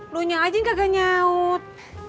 lu nyau aja gak gak nyaut